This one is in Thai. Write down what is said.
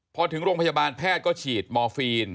พอถึงโรงพยาบาลแพทย์ก็ฉีดมอร์ฟีน